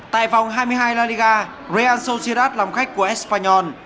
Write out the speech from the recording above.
tại vòng hai mươi hai la liga real sociedad làm khách của espanyol